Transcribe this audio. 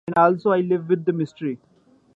And so I live with the mystery.